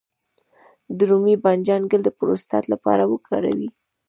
د رومي بانجان ګل د پروستات لپاره وکاروئ